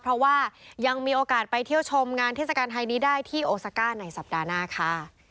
เพราะว่ายังมีโอกาสไปเที่ยวชมงานเทศกาลไทยนี้ได้ที่โอซาก้าในสัปดาห์หน้าค่ะ